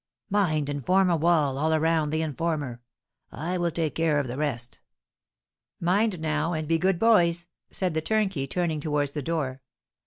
Mind and form a wall all around the informer, I will take care of the rest!" "Mind, now, and be good boys!" said the turnkey, turning towards the door.